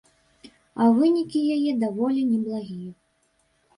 А вынікі яе даволі неблагія.